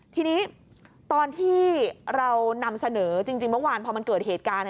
ทีนี้ตอนที่เรานำเสนอจริงเมื่อวานพอมันเกิดเหตุการณ์